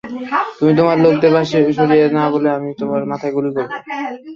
তুমি তোমার লোকেদের সরিয়ে না নিলে আমি ওর মাথায় গুলি করবো।